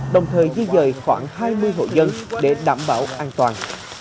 đồng thời di dời khoảng hai mươi hộ dân để đảm bảo an toàn